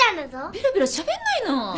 ペラペラしゃべんないの！